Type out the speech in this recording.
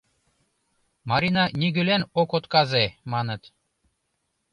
«Марина нигӧлан ок отказе, маныт.